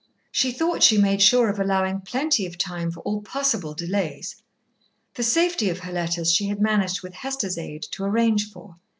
She thought she made sure of allowing plenty of time for all possible delays. The safety of her letters she had managed, with Hester's aid, to arrange for.